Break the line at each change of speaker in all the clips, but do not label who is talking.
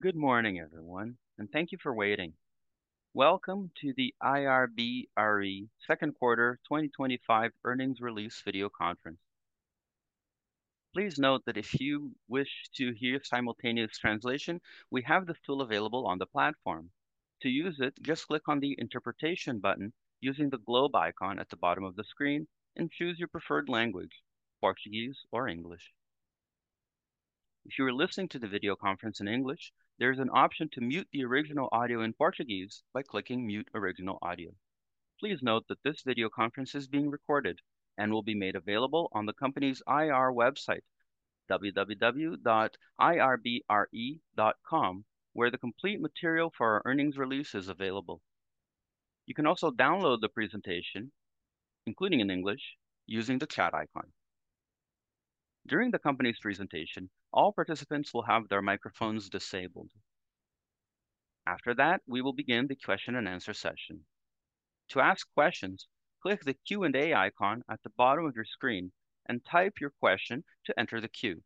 Good morning, everyone, and thank you for waiting. Welcome to the IRB(Re) Second Quarter 2025 Earnings Release Video Conference. Please note that if you wish to hear simultaneous translation, we have the tool available on the platform. To use it, just click on the interpretation button using the globe icon at the bottom of the screen and choose your preferred language: Portuguese or English. If you are listening to the video conference in English, there is an option to mute the original audio in Portuguese by clicking mute original audio. Please note that this video conference is being recorded and will be made available on the company's IR website, www.irbre.com, where the complete material for our earnings release is available. You can also download the presentation, including in English, using the chat icon. During the company's presentation, all participants will have their microphones disabled. After that, we will begin the question and answer session. To ask questions, click the Q&A icon at the bottom of your screen and type your question to enter the queue.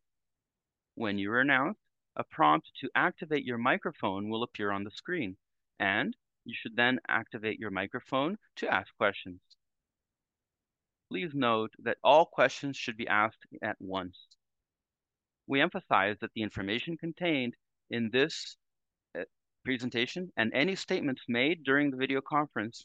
When you are announced, a prompt to activate your microphone will appear on the screen, and you should then activate your microphone to ask questions. Please note that all questions should be asked at once. We emphasize that the information contained in this presentation and any statements made during the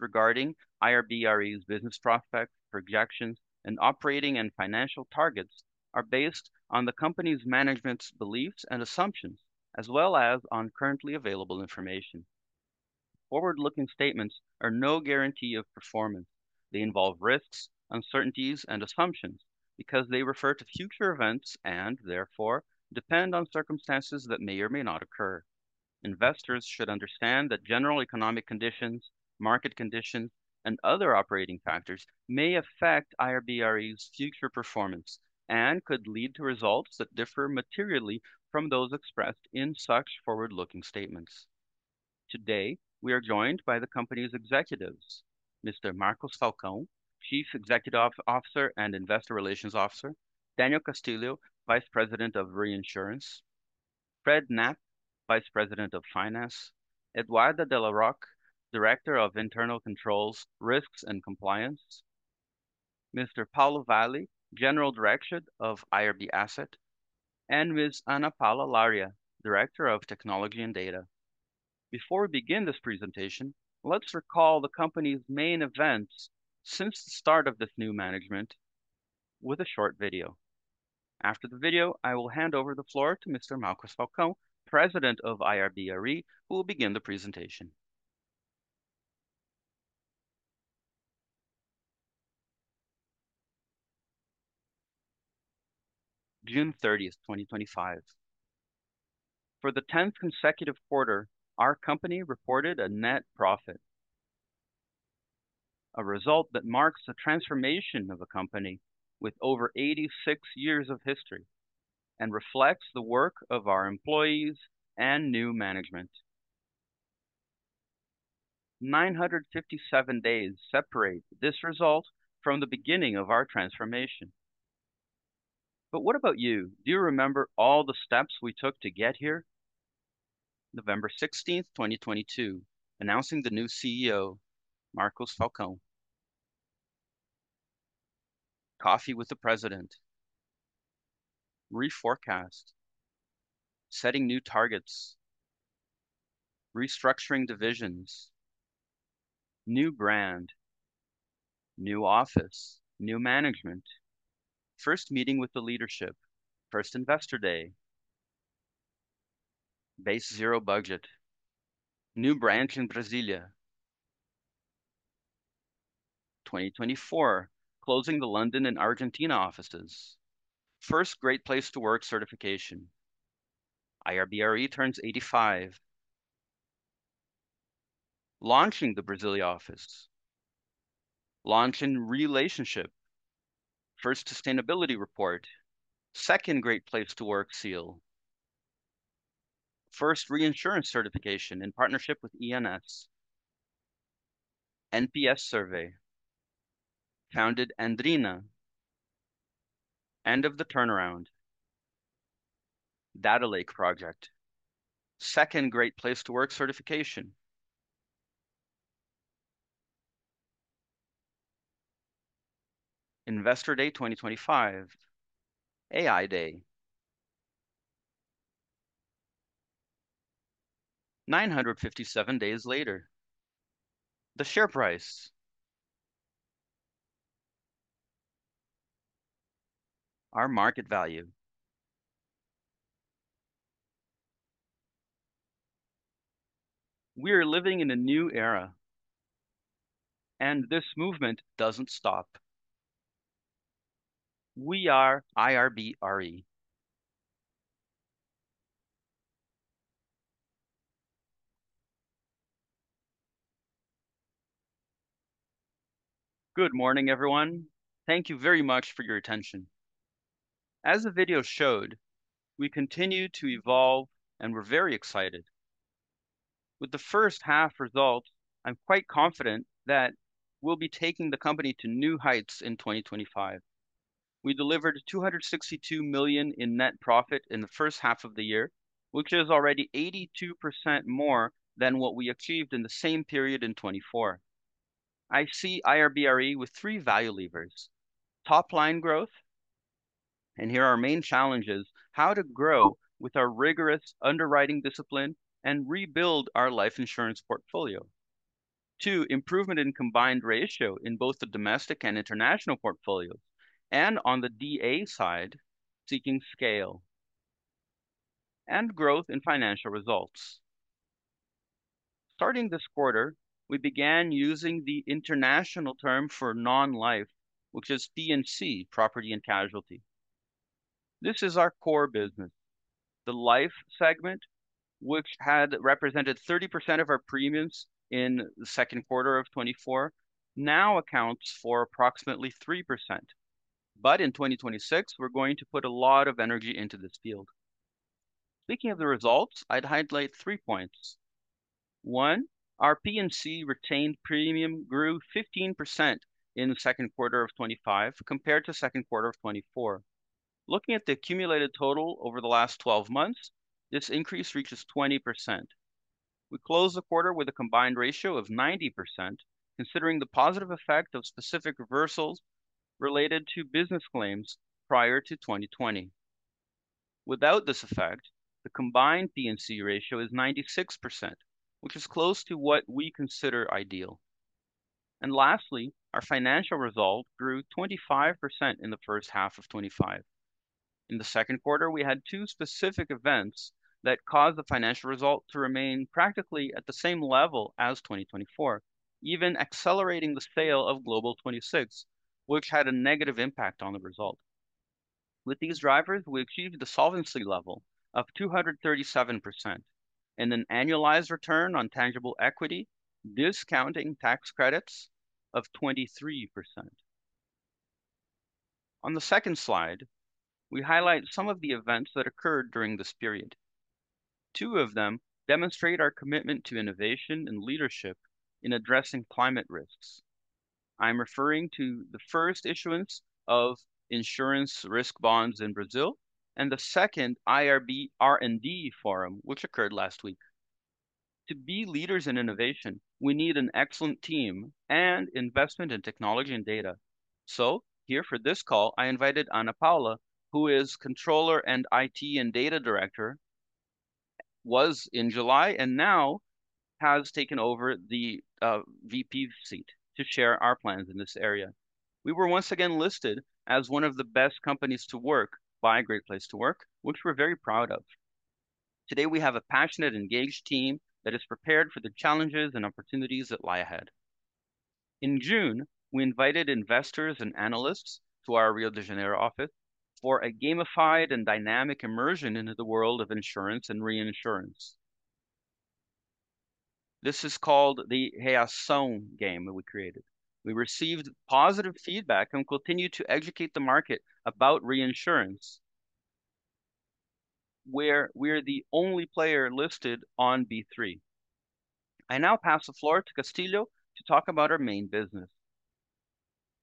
regarding IRB(Re)'s business prospects, projections, and operating and financial targets are based on the company's management's beliefs and assumptions, as well as on currently available information. Forward-looking statements are no guarantee of performance. They involve risks, uncertainties, and assumptions because they refer to future events and, therefore, depend on circumstances that may or may not occur. Investors should understand that general economic conditions, market conditions, and other operating affect IRB(Re)'s future performance and could lead to results that differ materially from those expressed in such forward-looking statements. Today, we are joined by the company's executives: Mr. Marcos Falcão, Chief Executive Officer and Investor Relations Officer; Daniel Castillo, Vice President of Reinsurance; Fred Knapp, Vice President of Finance; Eduarda de La Rocque, Director of Internal Controls, Risks, and Compliance; Mr. Paulo Valle, General Director of IRB Asset; and Ms. Ana Paula Laria, Director of Technology and Data. Before we begin this presentation, let's recall the company's main events since the start of this new management with a short video. After the video, I will hand over the floor to Mr. Marcos Falcão, President of IRB(Re), who will begin the presentation. June 30, 2025. For the 10th consecutive quarter, our company reported a net profit, a result that marks the transformation of the company with over 86 years of history and reflects the work of our employees and new management. 957 days separate this result from the beginning of our transformation. What about you? Do you remember all the steps we took to get here? November 16th 2022, announcing the new CEO, Marcos Falcão. Coffee with the President. Reforecast. Setting new targets. Restructuring divisions. New brand. New office. New management. First meeting with the leadership. First Investor Day. Base zero budget. New branch in Brasília. 2024, closing the London and Argentina offices. First Great Place To Work certification. IRB(Re) turns 85. Launching the Brasília office. Launching Relationship. First Sustainability Report. Second Great Place To Work seal. First Reinsurance certification in partnership with ENS. NPS survey. Founded Andrina. End of the turnaround. Data Lake Project. Second Great Place to Work certification. Investor Day 2025. AI Day. 957 days later. The share price. Our market value. We are living in a new era, and this movement doesn't stop. We are IRB(Re).
Good morning, everyone. Thank you very much for your attention. As the video showed, we continue to evolve, and we're very excited. With the first half result, I'm quite confident that we'll be taking the company to new heights in 2025. We delivered 262 million in net profit in the first half of the year, which is already 82% more than what we achieved in the same period in 2024. see IRB(Re) with three value levers: top line growth, and here are our main challenges: how to grow with our rigorous underwriting discipline and rebuild our life insurance portfolio. Two, improvement in combined ratio in both the domestic and international portfolio, and on the DA side, seeking scale and growth in financial results. Starting this quarter, we began using the international term for Non-Life, which is P&C, property and casualty. This is our core business. The Life segment, which had represented 30% of our premiums in the second quarter of 2024, now accounts for approximately 3%. In 2026, we're going to put a lot of energy into this field. Speaking of the results, I'd highlight three points. One, our P&C retained premium grew 15% in the second quarter of 2025 compared to the second quarter of 2024. Looking at the accumulated total over the last 12 months, this increase reaches 20%. We closed the quarter with a combined ratio of 90%, considering the positive effect of specific reversals related to business claims prior to 2020. Without this effect, the combined P&C ratio is 96%, which is close to what we consider ideal. Lastly, our financial result grew 25% in the first half of 2025. In the second quarter, we had two specific events that caused the financial result to remain practically at the same level as 2024, even accelerating the sale of Global 26, which had a negative impact on the result. With these drivers, we achieved a solvency level of 237% and an annualized return on tangible equity discounting tax credits of 23%. On the second slide, we highlight some of the events that occurred during this period. Two of them demonstrate our commitment to innovation and leadership in addressing climate risks. I'm referring to the first issuance of insurance risk bonds in Brazil and the second IRB R&D forum, which occurred last week. To be leaders in innovation, we need an excellent team and investment in technology and data. For this call, I invited Ana Paula, who is Controller and IT and Data Director, was in July and now has taken over the VP seat to chair our plans in this area. We were once again listed as one of the best companies to work by Great Place to Work, which we're very proud of. Today, we have a passionate, engaged team that is prepared for the challenges and opportunities that lie ahead. In June, we invited investors and analysts to our Rio de Janeiro office for a gamified and dynamic immersion into the world of insurance and reinsurance. This is called the [(Re)ação] game that we created. We received positive feedback and continue to educate the market about reinsurance, where we are the only player listed on B3. I now pass the floor to Castillo to talk about our main business.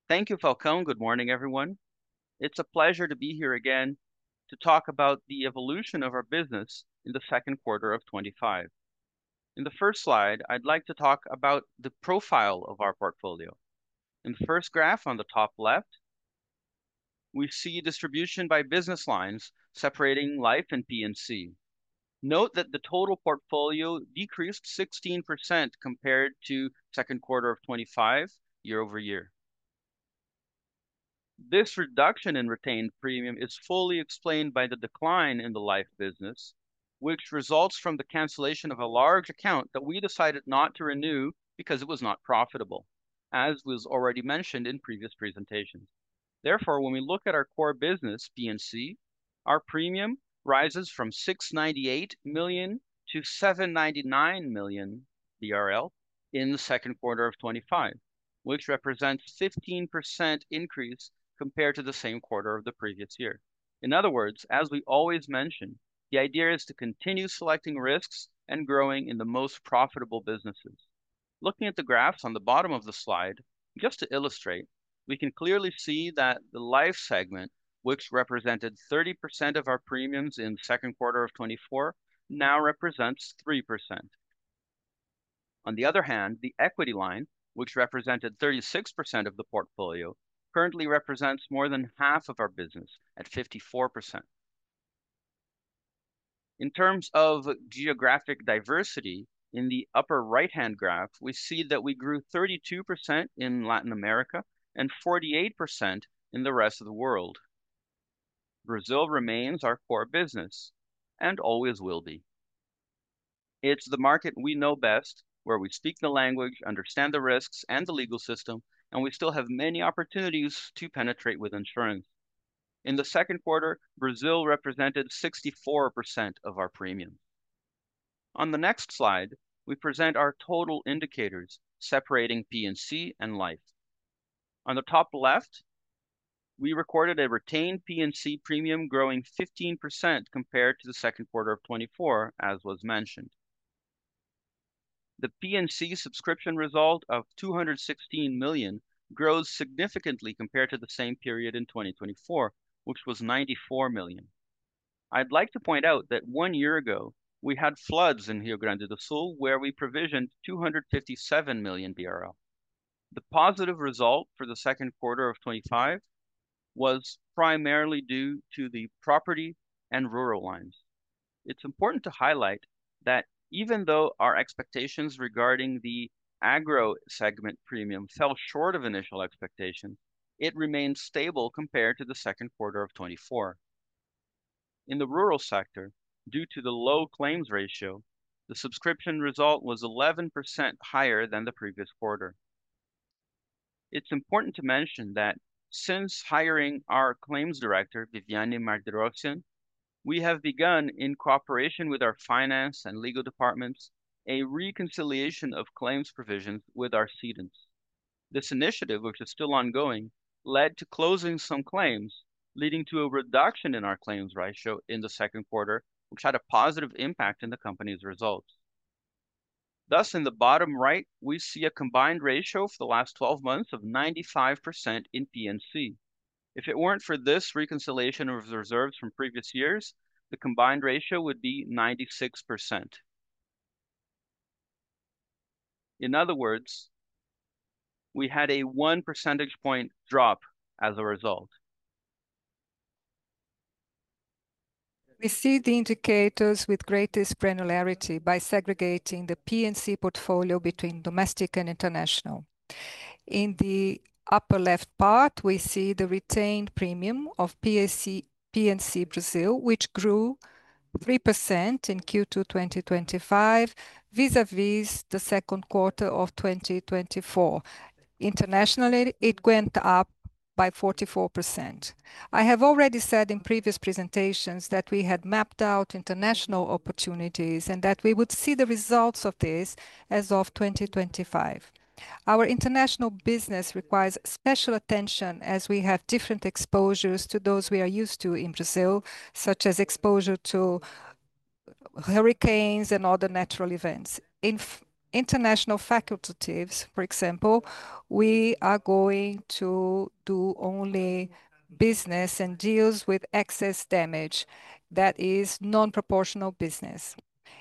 Thank you, Falcão. Good morning, everyone. It's a pleasure to be here again to talk about the evolution of our business in the second quarter of 2025. In the first slide, I'd like to talk about the profile of our portfolio. In the first graph on the top left, we see distribution by business lines separating Life and P&C. Note that the total portfolio decreased 16% compared to the second quarter of 2025 year-over-year. This reduction in retained premium is fully explained by the decline in the Life business, which results from the cancellation of a large account that we decided not to renew because it was not profitable, as was already mentioned in previous presentations. Therefore, when we look at our core business, P&C, our premium rises from 6.98 million to 7.99 million in the second quarter of 2025, which represents a 15% increase compared to the same quarter of the previous year. In other words, as we always mention, the idea is to continue selecting risks and growing in the most profitable businesses. Looking at the graphs on the bottom of the slide, just to illustrate, we can clearly see that the Life segment, which represented 30% of our premiums in the second quarter of 2024, now represents 3%. On the other hand, the equity line, which represented 36% of the portfolio, currently represents more than half of our business at 54%. In terms of geographic diversity, in the upper right-hand graph, we see that we grew 32% in Latin America and 48% in the rest of the world. Brazil remains our core business and always will be. It's the market we know best, where we speak the language, understand the risks, and the legal system, and we still have many opportunities to penetrate with insurance. In the second quarter, Brazil represented 64% of our premium. On the next slide, we present our total indicators separating P&C and Life. On the top left, we recorded a retained P&C premium growing 15% compared to the second quarter of 2024, as was mentioned. The P&C subscription result of 216 million grows significantly compared to the same period in 2024, which was 94 million. I'd like to point out that one year ago, we had floods in Rio Grande do Sul, where we provisioned 257 million BRL. The positive result for the second quarter of 2025 was primarily due to the property and rural lines. It's important to highlight that even though our expectations regarding the agro segment premium fell short of initial expectations, it remains stable compared to the second quarter of 2024. In the rural sector, due to the low claims ratio, the subscription result was 11% higher than the previous quarter. It's important to mention that since hiring our Claims Director, Viviane Mardirossian, we have begun, in cooperation with our finance and legal departments, a reconciliation of claims provisions with our cedents. This initiative, which is still ongoing, led to closing some claims, leading to a reduction in our claims ratio in the second quarter, which had a positive impact on the company's results. Thus, in the bottom right, we see a combined ratio for the last 12 months of 95% in P&C. If it weren't for this reconciliation of reserves from previous years, the combined ratio would be 96%. In other words, we had a one percentage point drop as a result. We see the indicators with greatest granularity by segregating the P&C portfolio between domestic and international. In the upper left part, we see the retained premium of P&C Brazil, which grew 3% in Q2 2025, vis-à-vis the second quarter of 2024. Internationally, it went up by 44%. I have already said in previous presentations that we had mapped out international opportunities and that we would see the results of this as of 2025. Our international business requires special attention as we have different exposures to those we are used to in Brazil, such as exposure to hurricanes and other natural events. In international faculties, for example, we are going to do only business and deals with excess damage. That is non-proportional business.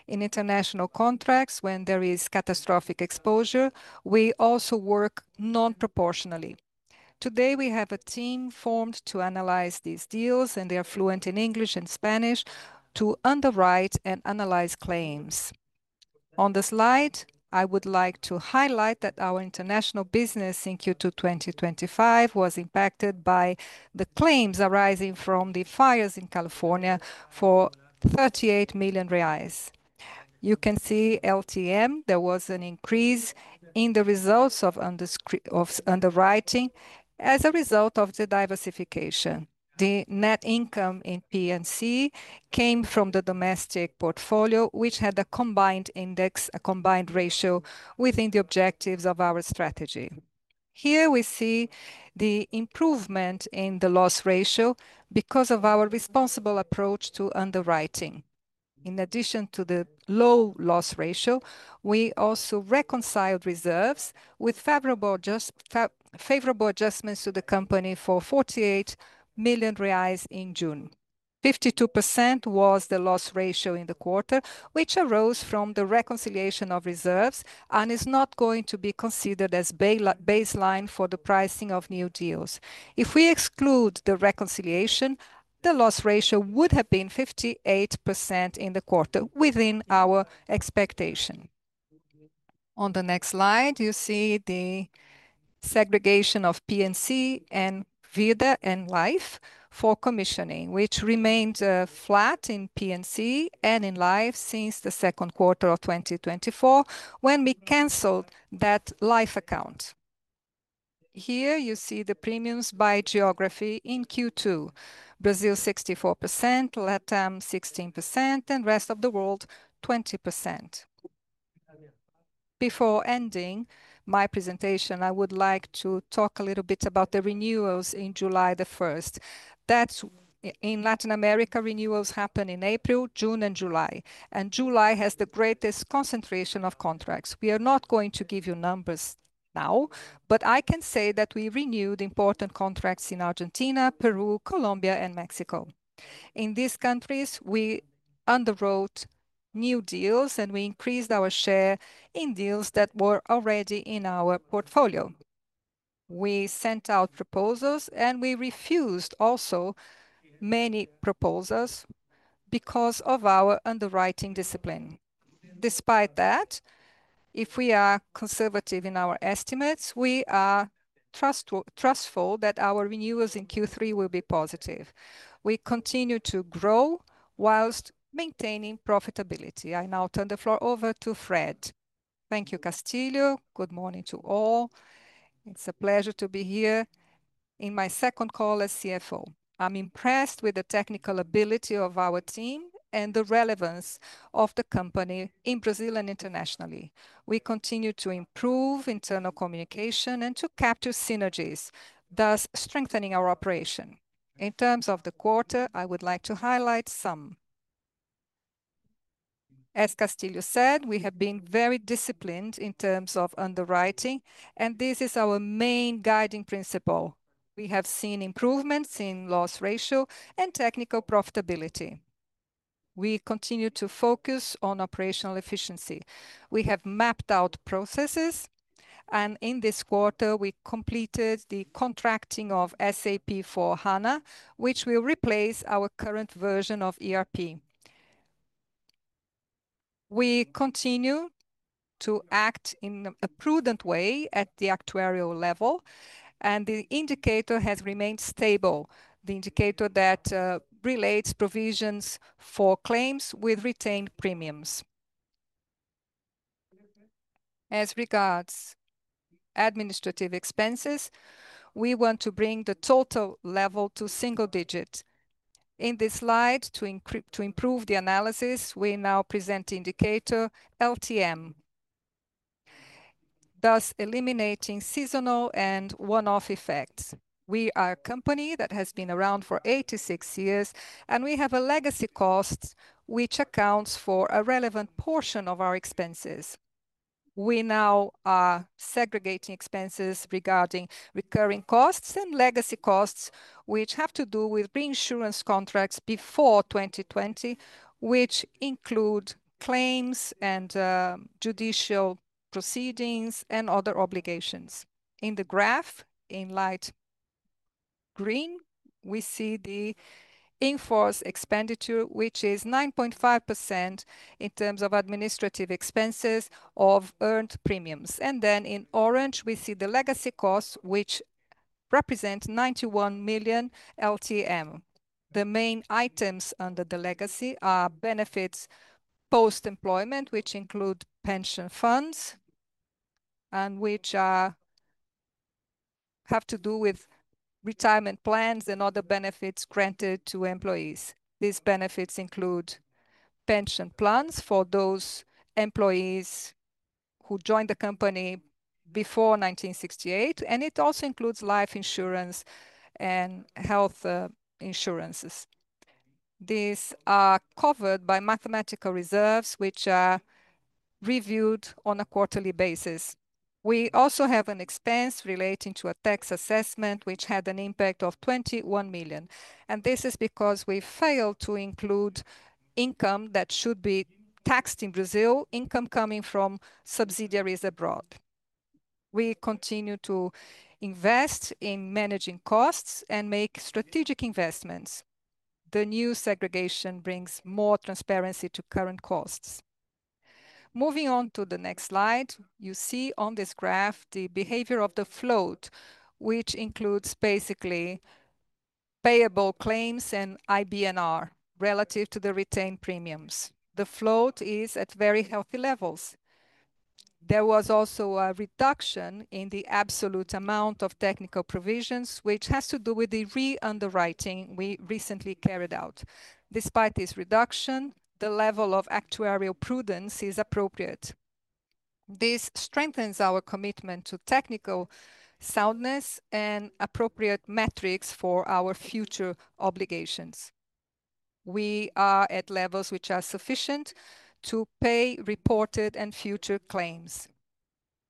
In international contracts, when there is catastrophic exposure, we also work non-proportionally. Today, we have a team formed to analyze these deals, and they are fluent in English and Spanish to underwrite and analyze claims. On the slide, I would like to highlight that our international business in Q2 2025 was impacted by the claims arising from the fires in California for 38 million reais. You can see LTM, there was an increase in the results of underwriting as a result of the diversification. The net income in P&C came from the domestic portfolio, which had a combined index, a combined ratio within the objectives of our strategy. Here, we see the improvement in the loss ratio because of our responsible approach to underwriting. In addition to the low loss ratio, we also reconciled reserves with favorable adjustments to the company for 48 million reais in June. 52% was the loss ratio in the quarter, which arose from the reconciliation of reserves and is not going to be considered as baseline for the pricing of new deals. If we exclude the reconciliation, the loss ratio would have been 58% in the quarter within our expectation. On the next slide, you see the segregation of P&C and Vida and Life for commissioning, which remained flat in P&C and in Life since the second quarter of 2024 when we canceled that Life account. Here, you see the premiums by geography in Q2. Brazil 64%, LATAM 16%, and the rest of the world 20%. Before ending my presentation, I would like to talk a little bit about the renewals in July the 1st. That's in Latin America, renewals happen in April, June, and July. July has the greatest concentration of contracts. We are not going to give you numbers now, but I can say that we renewed important contracts in Argentina, Peru, Colombia, and Mexico. In these countries, we underwrote new deals and we increased our share in deals that were already in our portfolio. We sent out proposals and we refused also many proposals because of our underwriting discipline. Despite that, if we are conservative in our estimates, we are trustful that our renewals in Q3 will be positive. We continue to grow whilst maintaining profitability. I now turn the floor over to Fred.
Thank you, Castillo. Good morning to all. It's a pleasure to be here in my second call as CFO. I'm impressed with the technical ability of our team and the relevance of the company in Brazil and internationally. We continue to improve internal communication and to capture synergies, thus strengthening our operation. In terms of the quarter, I would like to highlight some. As Castillo said, we have been very disciplined in terms of underwriting, and this is our main guiding principle. We have seen improvements in loss ratio and technical profitability. We continue to focus on operational efficiency. We have mapped out processes, and in this quarter, we completed the contracting of SAP [S/4HANA], which will replace our current version of ERP. We continue to act in a prudent way at the actuarial level, and the indicator has remained stable, the indicator that relates provisions for claims with retained premiums. As regards administrative expenses, we want to bring the total level to single digit. In this slide, to improve the analysis, we now present the indicator LTM, thus eliminating seasonal and one-off effects. We are a company that has been around for 86 years, and we have a legacy cost which accounts for a relevant portion of our expenses. We now are segregating expenses regarding recurring costs and legacy costs which have to do with reinsurance contracts before 2020, which include claims and judicial proceedings and other obligations. In the graph in light green, we see the enforced expenditure, which is 9.5% in terms of administrative expenses of earned premiums. And then in orange, we see the legacy costs, which represent 91 million LTM. The main items under the legacy are benefits post-employment, which include pension funds and which have to do with retirement plans and other benefits granted to employees. These benefits include pension plans for those employees who joined the company before 1968, and it also includes life insurance and health insurances. These are covered by mathematical reserves, which are reviewed on a quarterly basis. We also have an expense relating to a tax assessment which had an impact of 21 million, and this is because we failed to include income that should be taxed in Brazil, income coming from subsidiaries abroad. We continue to invest in managing costs and make strategic investments. The new segregation brings more transparency to current costs. Moving on to the next slide, you see on this graph the behavior of the float, which includes basically payable claims and IBNR relative to the retained premiums. The float is at very healthy levels. There was also a reduction in the absolute amount of technical provisions, which has to do with the re-underwriting we recently carried out. Despite this reduction, the level of actuarial prudence is appropriate. This strengthens our commitment to technical soundness and appropriate metrics for our future obligations. We are at levels which are sufficient to pay reported and future claims.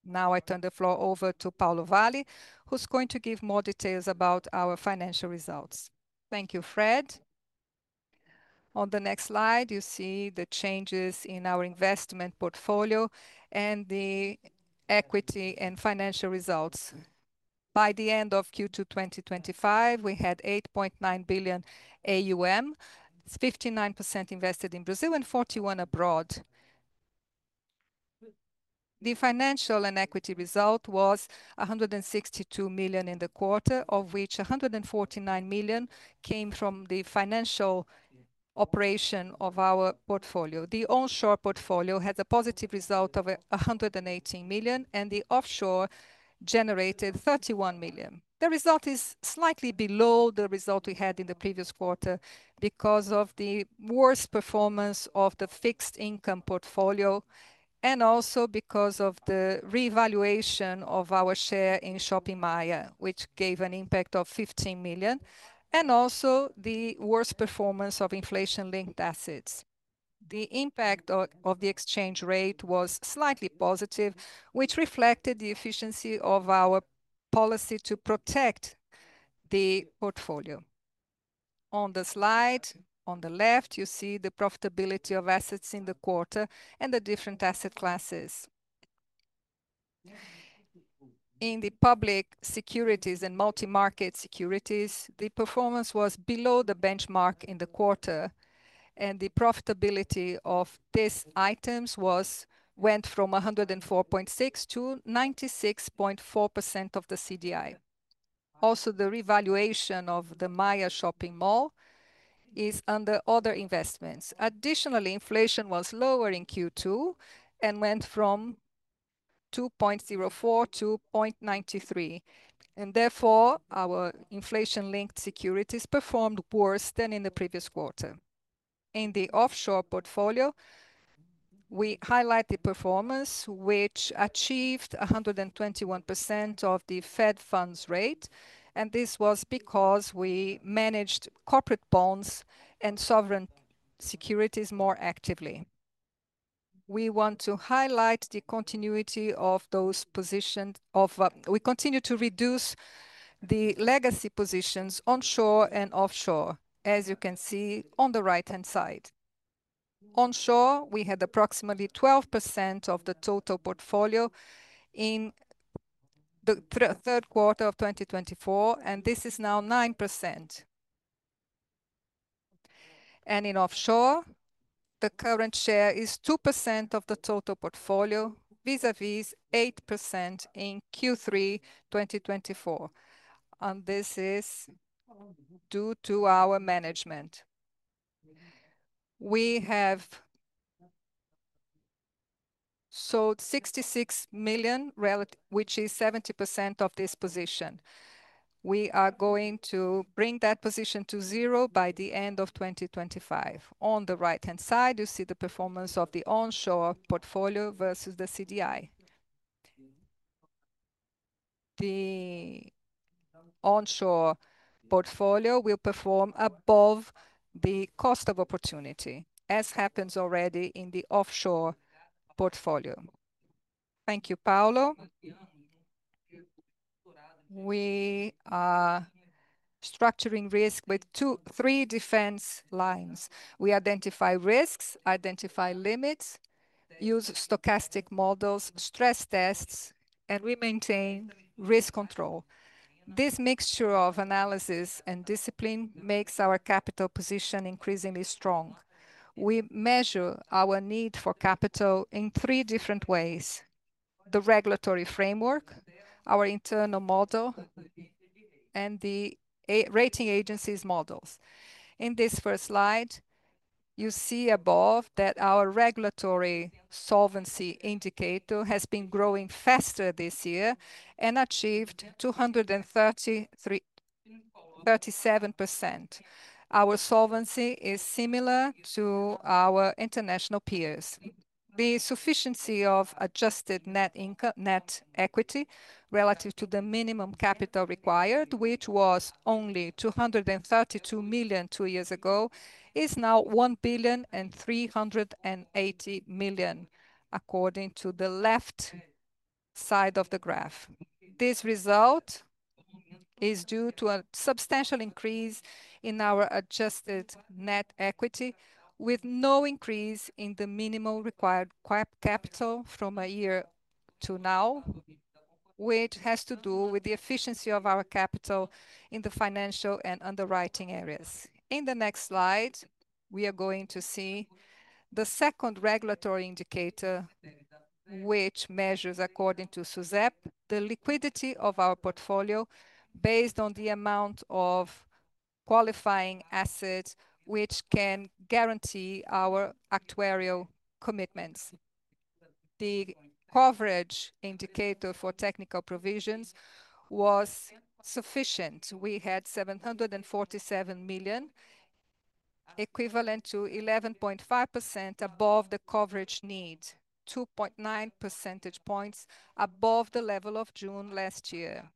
Now I turn the floor over to Paulo Valle, who's going to give more details about our financial results.
Thank you, Fred. On the next slide, you see the changes in our investment portfolio and the equity and financial results. By the end of Q2 2025, we had 8.9 billion AUM. It's 59% invested in Brazil and 41% abroad. The financial and equity result was 162 million in the quarter, of which 149 million came from the financial operation of our portfolio. The onshore portfolio has a positive result of 118 million, and the offshore generated 31 million. The result is slightly below the result we had in the previous quarter because of the worst performance of the fixed income portfolio and also because of the reevaluation of our share in Shopping Maia, which gave an impact of 15 million, and also the worst performance of inflation-linked assets. The impact of the exchange rate was slightly positive, which reflected the efficiency of our policy to protect the portfolio. On the slide on the left, you see the profitability of assets in the quarter and the different asset classes. In the public securities and multi-market securities, the performance was below the benchmark in the quarter, and the profitability of these items went from 104.6% to 96.4% of the CDI. Also, the revaluation of the Maia Shopping Mall is under other investments. Additionally, inflation was lower in Q2 and went from 2.04% to 2.93%. Therefore, our inflation-linked securities performed worse than in the previous quarter. In the offshore portfolio, we highlight the performance, which achieved 121% of the Fed funds rate, and this was because we managed corporate bonds and sovereign securities more actively. We want to highlight the continuity of those positions. We continue to reduce the legacy positions onshore and offshore, as you can see on the right-hand side. Onshore, we had approximately 12% of the total portfolio in the third quarter of 2024, and this is now 9%. In offshore, the current share is 2% of the total portfolio, vis-à-vis 8% in Q3 2024. This is due to our management. We have sold 66 million, which is 70% of this position. We are going to bring that position to zero by the end of 2025. On the right-hand side, you see the performance of the onshore portfolio versus the CDI. The onshore portfolio will perform above the cost of opportunity, as happens already in the offshore portfolio.
Thank you, Paulo. We are structuring risk with three defense lines. We identify risks, identify limits, use stochastic models, stress tests, and we maintain risk control. This mixture of analysis and discipline makes our capital position increasingly strong. We measure our need for capital in three different ways: the regulatory framework, our internal model, and the rating agency's models. In this first slide, you see above that our regulatory solvency indicator has been growing faster this year and achieved 237%. Our solvency is similar to our international peers. The sufficiency of adjusted net equity relative to the minimum capital required, which was only 232 million two years ago, is now 1,380,000 million, according to the left side of the graph. This result is due to a substantial increase in our adjusted net equity, with no increase in the minimal required capital from a year to now, which has to do with the efficiency of our capital in the financial and underwriting areas. In the next slide, we are going to see the second regulatory indicator, which measures, according to Susep, the liquidity of our portfolio based on the amount of qualifying assets which can guarantee our actuarial commitments. The coverage indicator for technical provisions was sufficient. We had 747 million, equivalent to 11.5% above the coverage need, 2.9% above the level of June last year.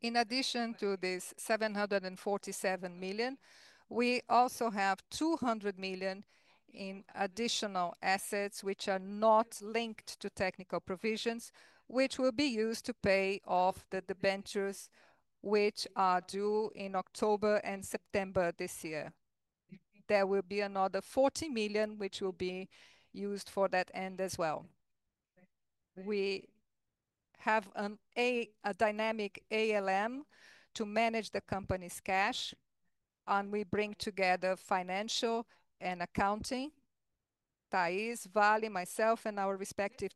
In addition to this 747 million, we also have 200 million in additional assets which are not linked to technical provisions, which will be used to pay off the debentures which are due in October and September this year. There will be another 40 million which will be used for that end as well. We have a dynamic ALM to manage the company's cash, and we bring together Financial and Accounting, Thais, Valle, myself, and our respective.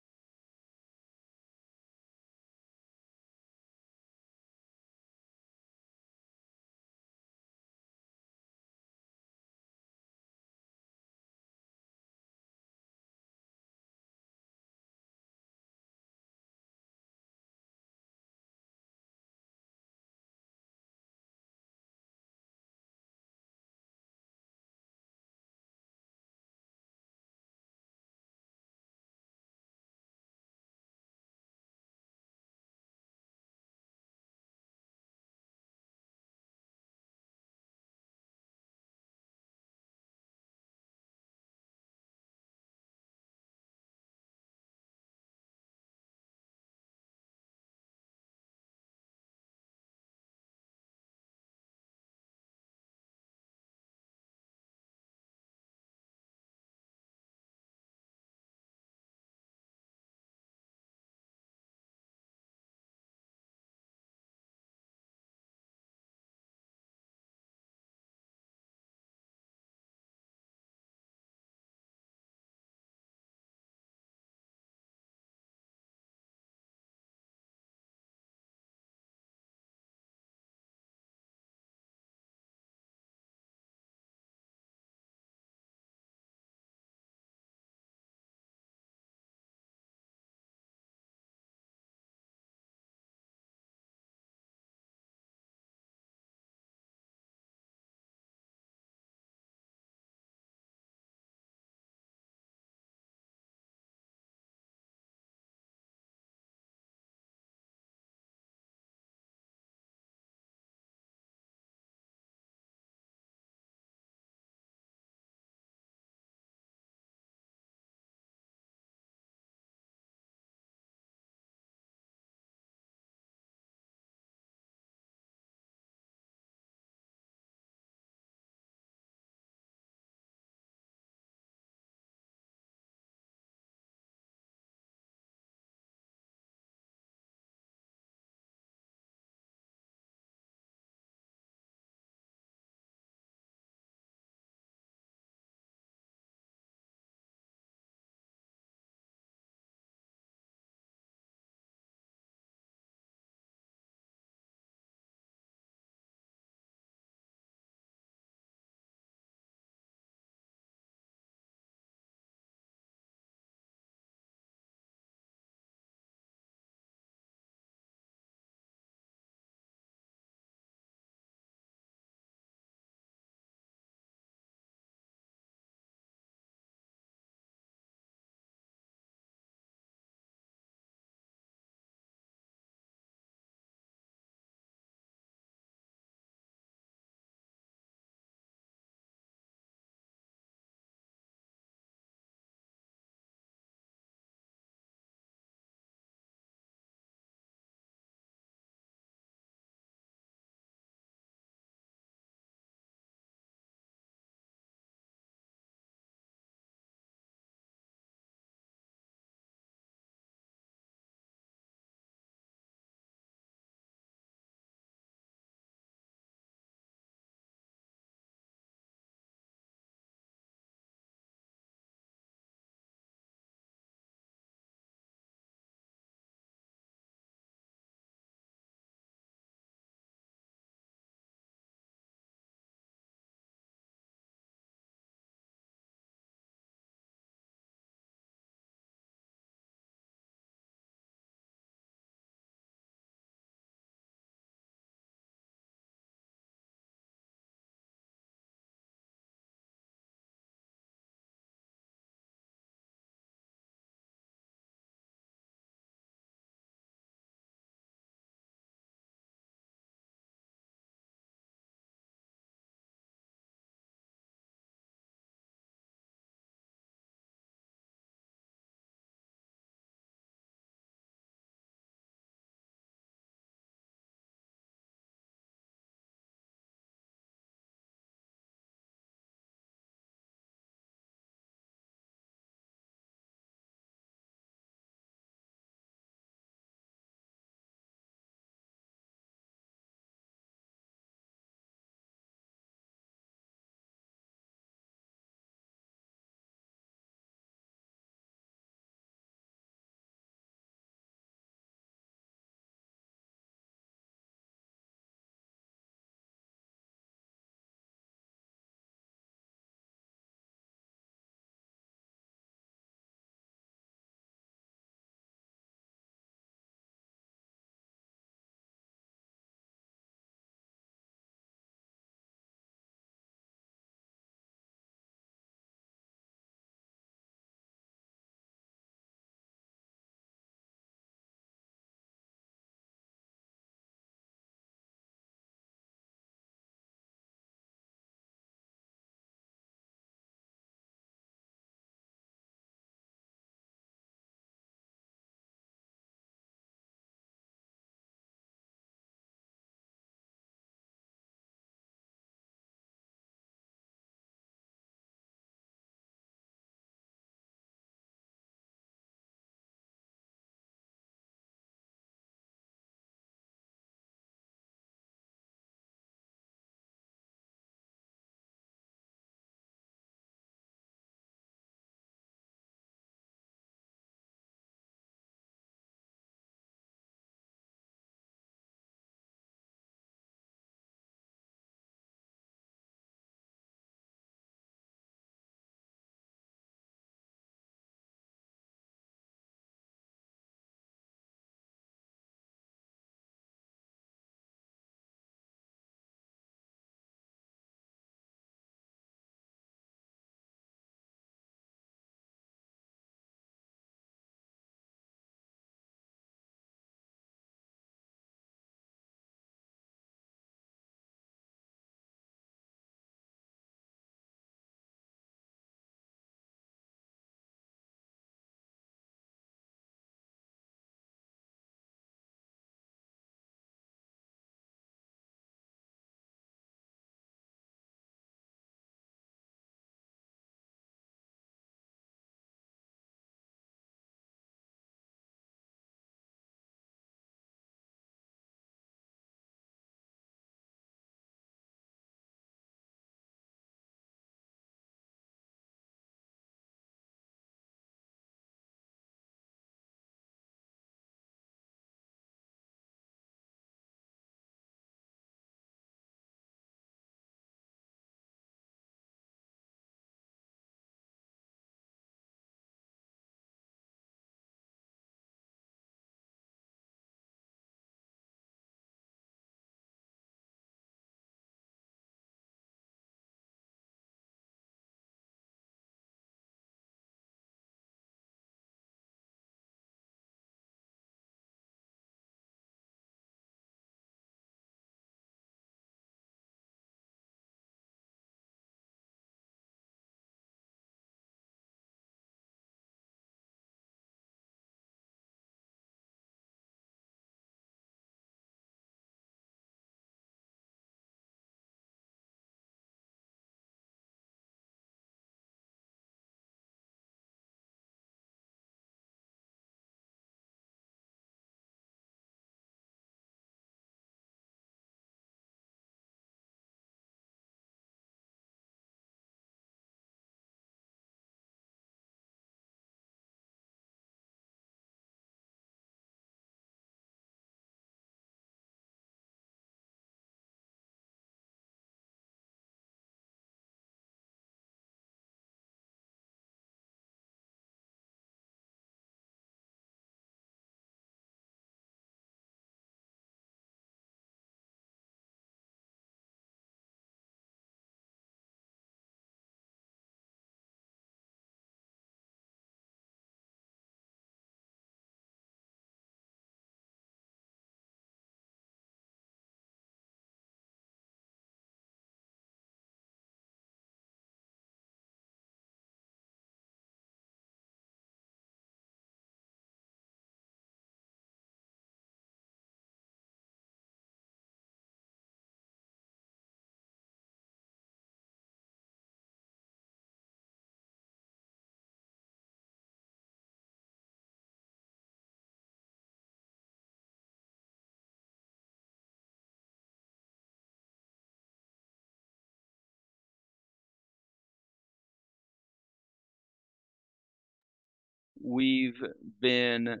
We've been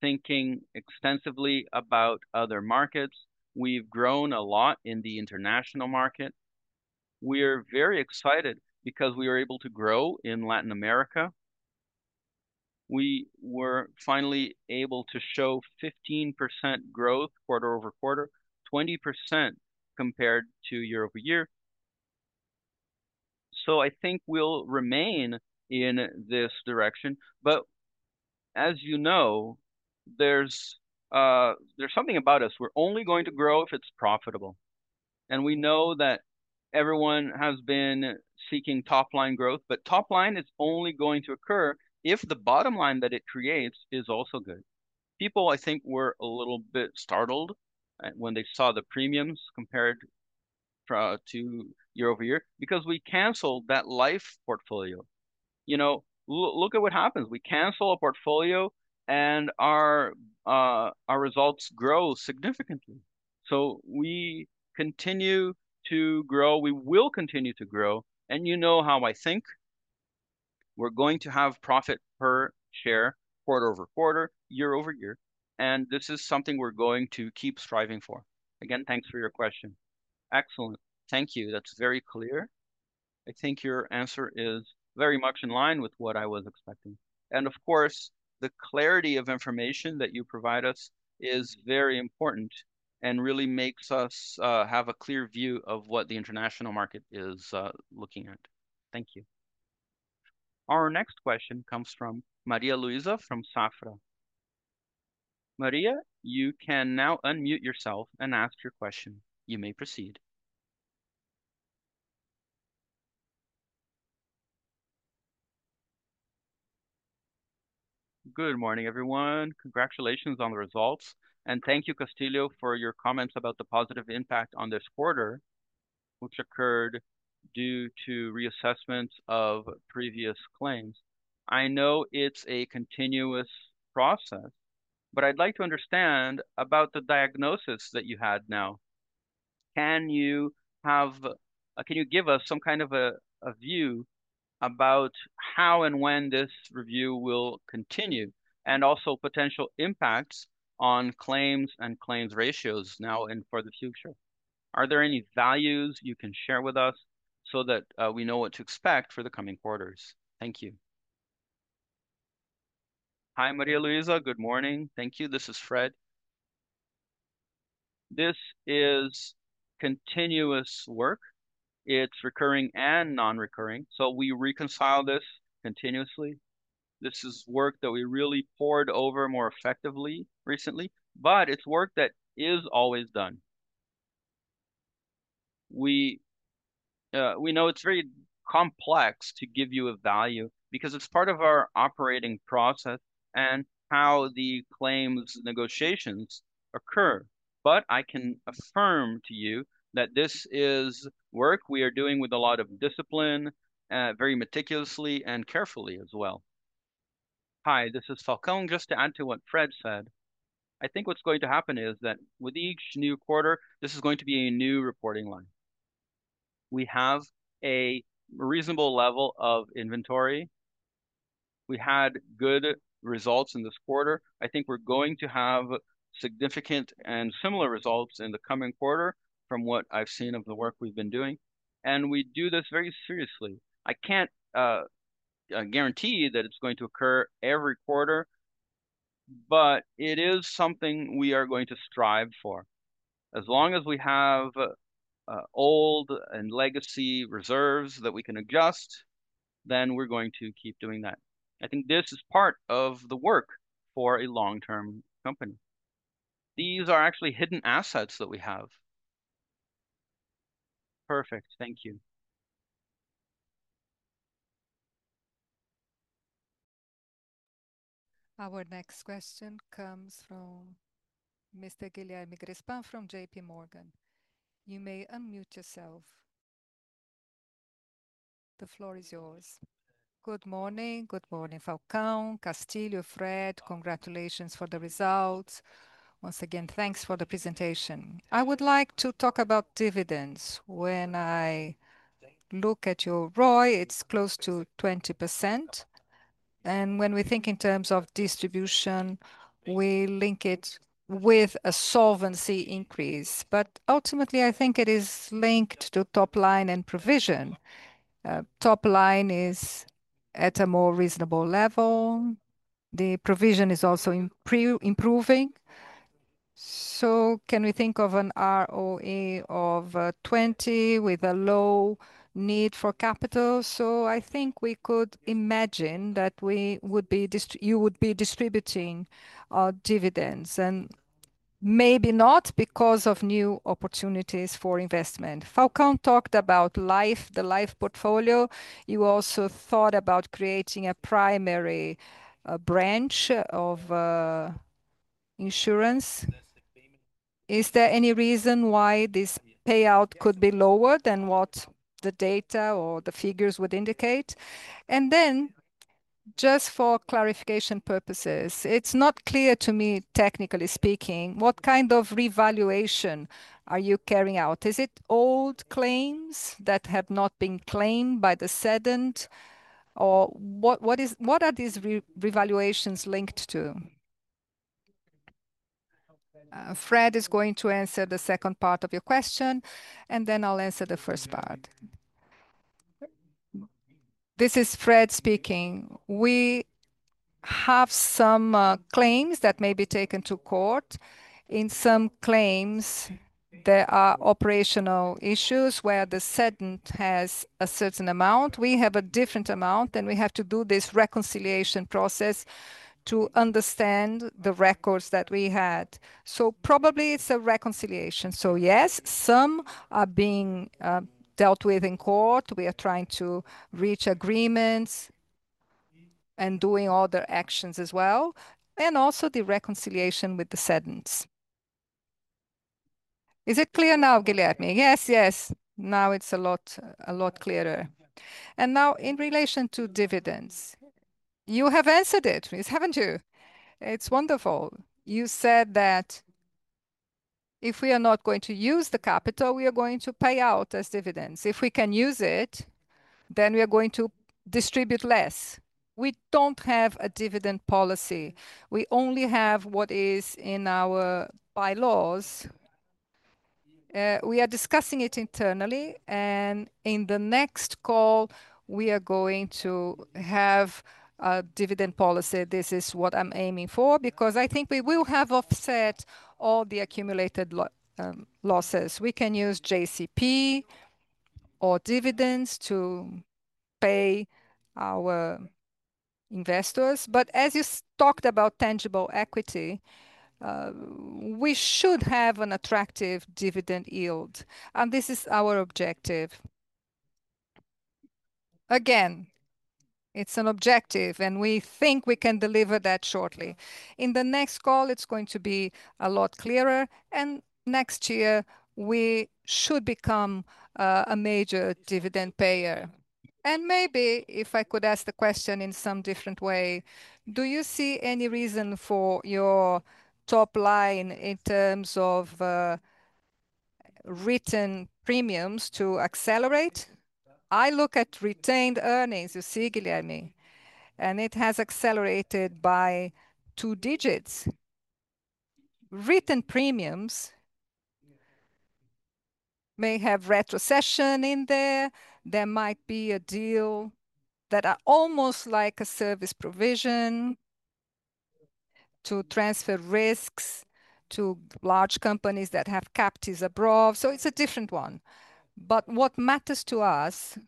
thinking extensively about other markets. We've grown a lot in the international market. We're very excited because we were able to grow in Latin America. We were finally able to show 15% growth quarter-over-quarter, 20% compared to year-over-year. I think we'll remain in this direction. As you know, there's something about us. We're only going to grow if it's profitable. We know that everyone has been seeking top line growth, but top line is only going to occur if the bottom line that it creates is also good. People, I think, were a little bit startled when they saw the premiums compared to year-over-year because we canceled that Life portfolio. You know, look at what happens. We cancel a portfolio and our results grow significantly. We continue to grow. We will continue to grow. You know how I think. We're going to have profit per share quarter-over-quarter, year-over-year. This is something we're going to keep striving for. Again, thanks for your question.
Excellent. Thank you. That's very clear. I think your answer is very much in line with what I was expecting. Of course, the clarity of information that you provide us is very important and really makes us have a clear view of what the international market is looking at. Thank you.
Our next question comes from Maria Luisa from Safra. Maria, you can now unmute yourself and ask your question. You may proceed.
Good morning, everyone. Congratulations on the results. Thank you, Castillo, for your comments about the positive impact on this quarter, which occurred due to reassessments of previous claims. I know it's a continuous process, but I'd like to understand about the diagnosis that you had now. Can you give us some kind of a view about how and when this review will continue and also potential impacts on claims and claims ratios now and for the future? Are there any values you can share with us so that we know what to expect for the coming quarters? Thank you.
Hi, Maria Luisa. Good morning. Thank you. This is Fred. This is continuous work. It's recurring and non-recurring. We reconcile this continuously. This is work that we really poured over more effectively recently, but it's work that is always done. We know it's very complex to give you a value because it's part of our operating process and how the claims negotiations occur. I can affirm to you that this is work we are doing with a lot of discipline, very meticulously and carefully as well.
Hi, this is Falcão. Just to add to what Fred said, I think what's going to happen is that with each new quarter, this is going to be a new reporting line. We have a reasonable level of inventory. We had good results in this quarter. I think we're going to have significant and similar results in the coming quarter from what I've seen of the work we've been doing. We do this very seriously. I can't guarantee that it's going to occur every quarter, but it is something we are going to strive for. As long as we have old and legacy reserves that we can adjust, then we're going to keep doing that. I think this is part of the work for a long-term company. These are actually hidden assets that we have.
Perfect. Thank you.
Our next question comes from Mr. Guilherme Grespan from JPMorgan. You may unmute yourself. The floor is yours.
Good morning. Good morning, Falcão, Castillo, Fred. Congratulations for the results. Once again, thanks for the presentation. I would like to talk about dividends. When I look at your ROE, it's close to 20%. When we think in terms of distribution, we link it with a solvency increase. Ultimately, I think it is linked to top line and provision. Top line is at a more reasonable level. The provision is also improving. Can we think of an ROE of 20% with a low need for capital? I think we could imagine that you would be distributing dividends, and maybe not because of new opportunities for investment. Falcão talked about Life, the Life portfolio. You also thought about creating a primary branch of insurance. Is there any reason why this payout could be lower than what the data or the figures would indicate? Just for clarification purposes, it's not clear to me, technically speaking, what kind of revaluation are you carrying out? Is it old claims that have not been claimed by the cedent, or what are these revaluations linked to?
Fred is going to answer the second part of your question, and then I'll answer the first part.
This is Fred speaking. We have some claims that may be taken to court. In some claims, there are operational issues where the cedent has a certain amount. We have a different amount, and we have to do this reconciliation process to understand the records that we had. Probably it's a reconciliation. Yes, some are being dealt with in court. We are trying to reach agreements and doing other actions as well, and also the reconciliation with the cedents. Is it clear now, Guilherme?
Yes, yes. Now it's a lot, a lot clearer.
In relation to dividends, you have answered it, haven't you? It's wonderful. You said that if we are not going to use the capital, we are going to pay out as dividends. If we can use it, then we are going to distribute less. We don't have a dividend policy. We only have what is in our bylaws. We are discussing it internally, and in the next call, we are going to have a dividend policy. This is what I'm aiming for because I think we will have offset all the accumulated losses. We can use JCP or dividends to pay our investors. As you talked about tangible equity, we should have an attractive dividend yield. This is our objective. Again, it's an objective, and we think we can deliver that shortly. In the next call, it's going to be a lot clearer. Next year, we should become a major dividend payer.
Maybe if I could ask the question in some different way, do you see any reason for your top line in terms of written premiums to accelerate?
I look at retained earnings, you see, Guilherme, and it has accelerated by two digits. Written premiums may have retrocession in there. There might be a deal that is almost like a service provision to transfer risks to large companies that have captives abroad. It's a different one. What matters to us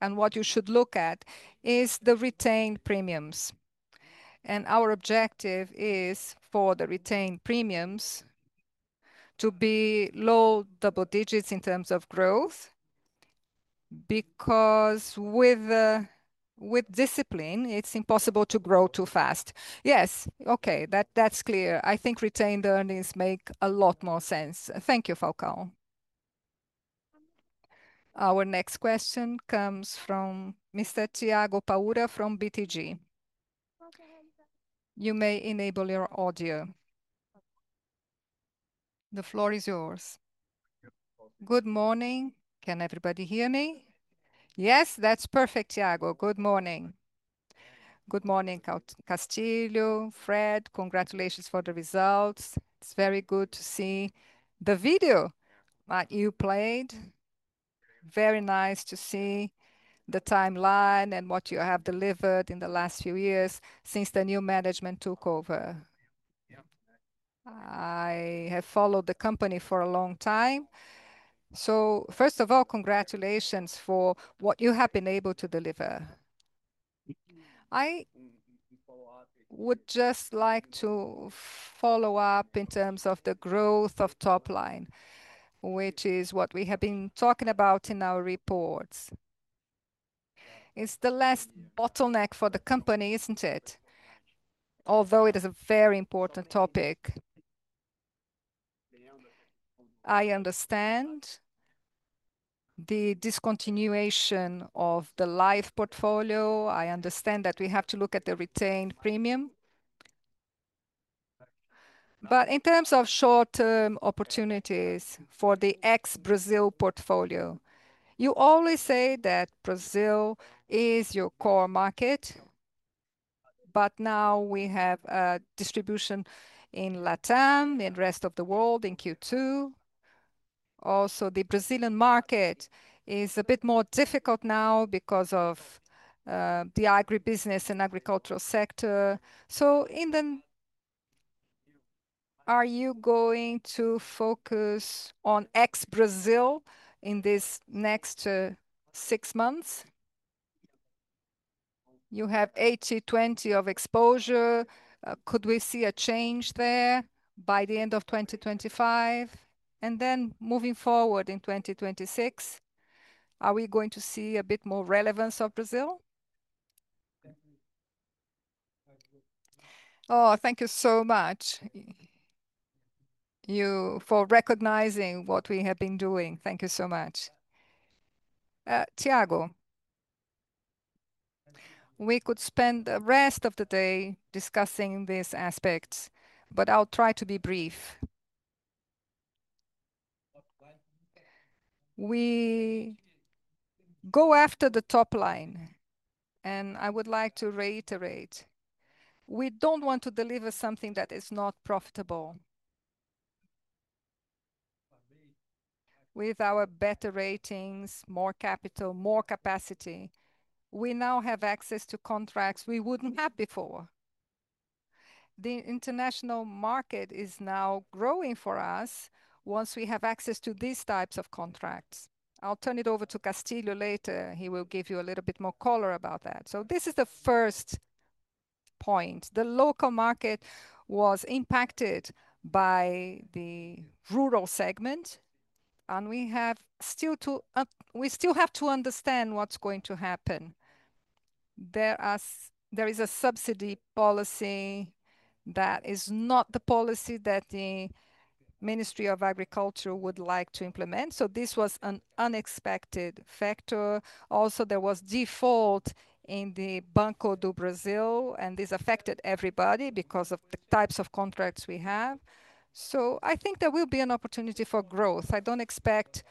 and what you should look at is the retained premiums. Our objective is for the retained premiums to be low double digits in terms of growth because with discipline, it's impossible to grow too fast.
Yes. Okay. That's clear. I think retained earnings make a lot more sense. Thank you, Falcão.
Our next question comes from Mr. Thiago Paura from BTG. You may enable your audio. The floor is yours.
Good morning. Can everybody hear me?
Yes, that's perfect, Thiago. Good morning.
Good morning, Castillo, Fred. Congratulations for the results. It's very good to see the video that you played. Very nice to see the timeline and what you have delivered in the last few years since the new management took over. I have followed the company for a long time. So first of all, congratulations for what you have been able to deliver. I would just like to follow up in terms of the growth of top line, which is what we have been talking about in our reports. It's the last bottleneck for the company, isn't it? Although it is a very important topic. I understand the discontinuation of the Life portfolio. I understand that we have to look at the retained premium. In terms of short-term opportunities for the ex-Brazil portfolio, you always say that Brazil is your core market, but now we have a distribution in Latin America and the rest of the world in Q2. Also, the Brazilian market is a bit more difficult now because of the agribusiness and agricultural sector. Are you going to focus on ex-Brazil in these next six months? You have 80/20 of exposure. Could we see a change there by the end of 2025? Moving forward in 2026, are we going to see a bit more relevance of Brazil?
Thank you so much for recognizing what we have been doing. Thank you so much. Thiago, we could spend the rest of the day discussing this aspect, but I'll try to be brief. We go after the top line, and I would like to reiterate. We don't want to deliver something that is not profitable. With our better ratings, more capital, more capacity, we now have access to contracts we wouldn't have before. The international market is now growing for us once we have access to these types of contracts. I'll turn it over to Castillo later. He will give you a little bit more color about that. This is the first point. The local market was impacted by the rural segment, and we have still to understand what's going to happen. There is a subsidy policy that is not the policy that the Ministry of Agriculture would like to implement. This was an unexpected factor. Also, there was default in the Banco do Brasil, and this affected everybody because of the types of contracts we have. I think there will be an opportunity for growth. I don't expect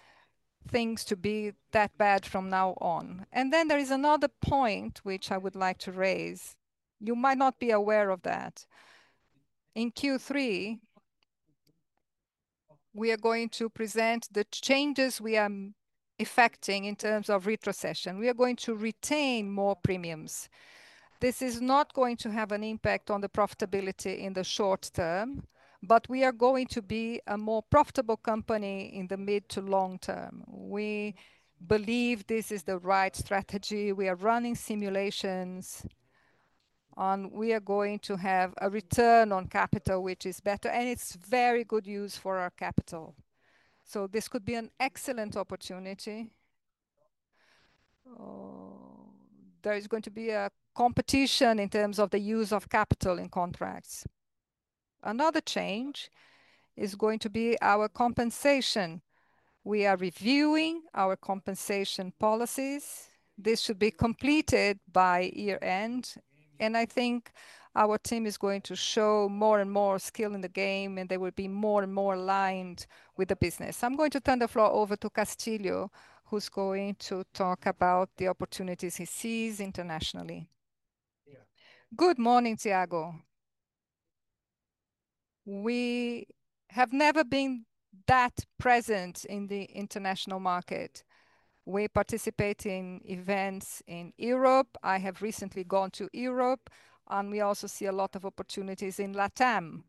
things to be that bad from now on. There is another point which I would like to raise. You might not be aware of that. In Q3, we are going to present the changes we are effecting in terms of retrocession. We are going to retain more premiums. This is not going to have an impact on the profitability in the short term, but we are going to be a more profitable company in the mid to long term. We believe this is the right strategy. We are running simulations, and we are going to have a return on capital which is better, and it's very good use for our capital. This could be an excellent opportunity. There is going to be a competition in terms of the use of capital in contracts. Another change is going to be our compensation. We are reviewing our compensation policies. This should be completed by year-end, and I think our team is going to show more and more skill in the game, and they will be more and more aligned with the business. I'm going to turn the floor over to Castillo, who's going to talk about the opportunities he sees internationally.
Good morning, Thiago. We have never been that present in the international market. We participate in events in Europe. I have recently gone to Europe, and we also see a lot of opportunities in LATAM.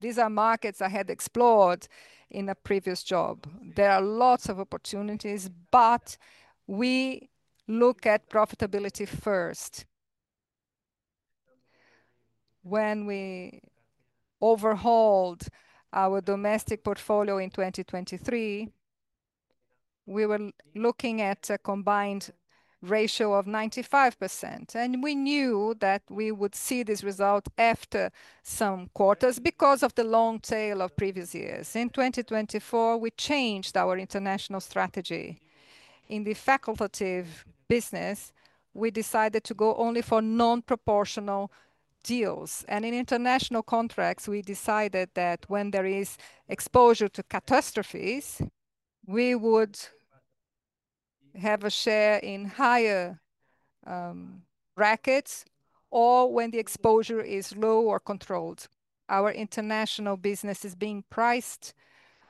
These are markets I had explored in a previous job. There are lots of opportunities, but we look at profitability first. When we overhauled our domestic portfolio in 2023, we were looking at a combined ratio of 95%, and we knew that we would see this result after some quarters because of the long tail of previous years. In 2024, we changed our international strategy. In the facultative business, we decided to go only for non-proportional deals. In international contracts, we decided that when there is exposure to catastrophes, we would have a share in higher brackets or when the exposure is low or controlled. Our international business is being priced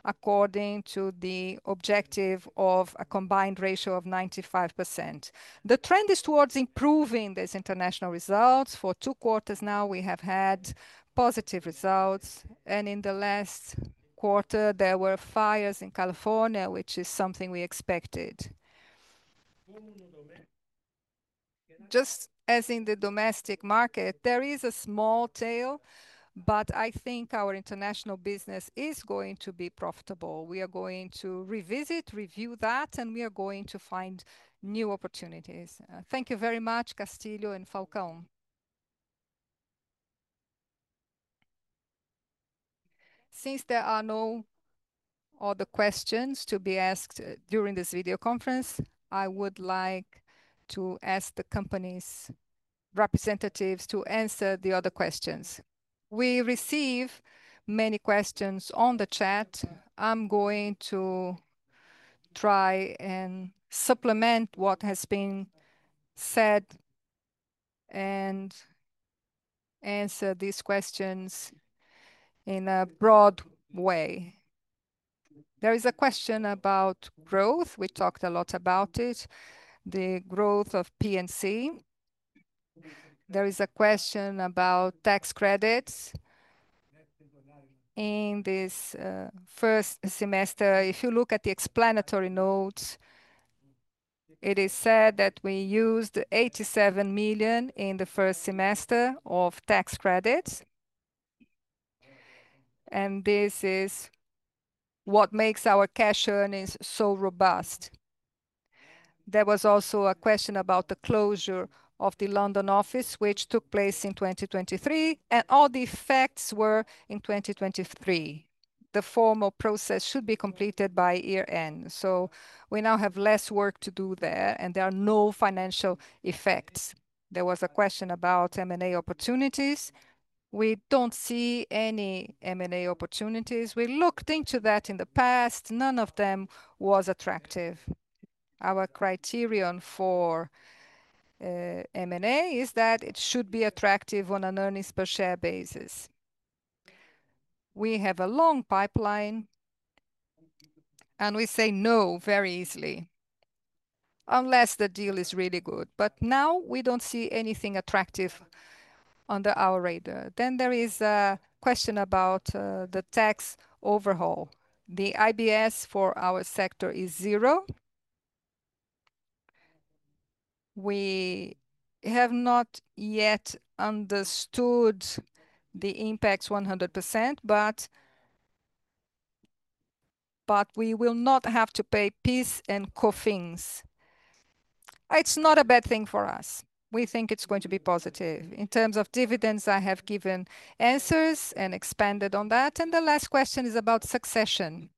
according to the objective of a combined ratio of 95%. The trend is towards improving these international results. For two quarters now, we have had positive results. In the last quarter, there were fires in California, which is something we expected. Just as in the domestic market, there is a small tail, but I think our international business is going to be profitable. We are going to revisit, review that, and we are going to find new opportunities.
Thank you very much, Castillo and Falcão.
Since there are no other questions to be asked during this video conference, I would like to ask the company's representatives to answer the other questions.
We receive many questions on the chat. I'm going to try and supplement what has been said and answer these questions in a broad way. There is a question about growth. We talked a lot about it, the growth of P&C. There is a question about tax credits. In this first semester, if you look at the explanatory notes, it is said that we used 87 million in the first semester of tax credits. This is what makes our cash earnings so robust. There was also a question about the closure of the London office, which took place in 2023, and all the effects were in 2023. The formal process should be completed by year-end. We now have less work to do there, and there are no financial effects. There was a question about M&A opportunities. We don't see any M&A opportunities. We looked into that in the past. None of them were attractive. Our criterion for M&A is that it should be attractive on an earnings-per-share basis. We have a long pipeline, and we say no very easily unless the deal is really good. We don't see anything attractive under our radar now. There is a question about the tax overhaul. The IBS for our sector is 0%. We have not yet understood the impacts 100%, but we will not have to pay PIS and COFINS. It's not a bad thing for us. We think it's going to be positive. In terms of dividends, I have given answers and expanded on that. The last question is about succession.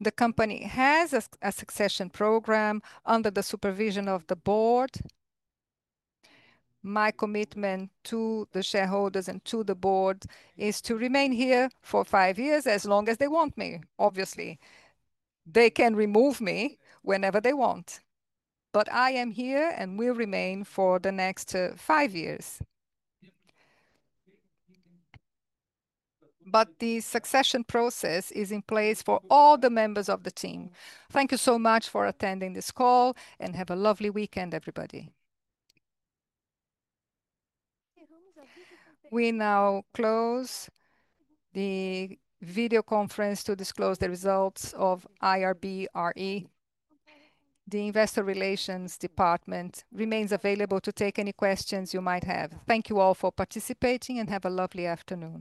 The company has a succession program under the supervision of the Board. My commitment to the shareholders and to the Board is to remain here for five years, as long as they want me, obviously. They can remove me whenever they want. I am here and will remain for the next five years. The succession process is in place for all the members of the team. Thank you so much for attending this call and have a lovely weekend, everybody.
We now close the video conference to disclose the of IRB(Re). The investor relations department remains available to take any questions you might have. Thank you all for participating and have a lovely afternoon.